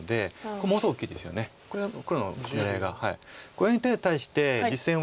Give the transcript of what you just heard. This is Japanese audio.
この手に対して実戦は。